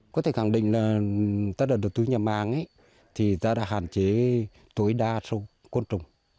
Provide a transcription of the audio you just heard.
có thể khẳng định là tất cả đất tư nhà màng thì ta đã hạn chế tối đa sâu côn trùng